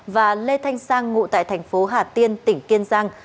và lê thanh sang ngụ tại thành phố hà tiên tỉnh kiên giang